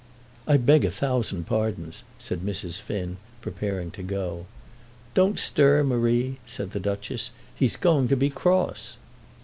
"I beg a thousand pardons," said Mrs. Finn, preparing to go. "Don't stir, Marie," said the Duchess; "he is going to be cross."